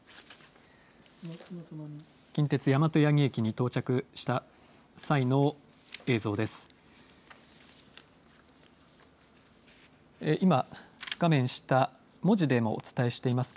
近鉄大和八木駅に到着した際の映像です。